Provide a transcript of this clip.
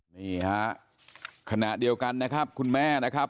นี่ฮะขณะเดียวกันนะครับคุณแม่นะครับ